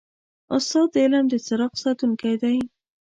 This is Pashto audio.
استاد د علم د څراغ ساتونکی دی.